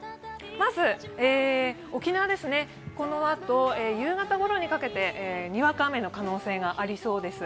まず、沖縄ですね、このあと夕方ごろにかけてにわか雨の可能性がありそうです。